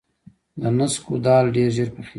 د نسکو دال ډیر ژر پخیږي.